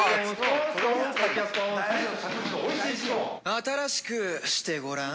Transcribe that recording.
新しくしてごらん。